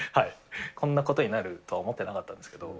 こんなことになるとは思ってなかったんですけど。